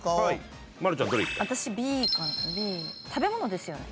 私Ｂ食べ物ですよね？